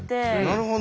なるほど。